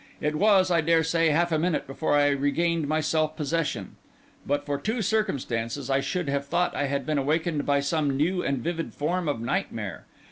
It was, I dare say, half a minute before I regained my self possession. But for two circumstances, I should have thought I had been awakened by some new and vivid form of nightmare.